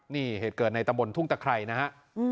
นี่เหตุเกิดในตำบลทุ่งตะไครนะฮะ